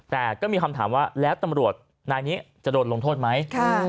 แต่ก็มีคำถามว่าแล้วตำรวจนายนี้จะโดนลงโทษไหม